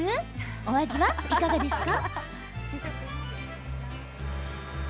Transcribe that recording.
お味はいかがですか？